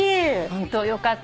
ホント？よかった。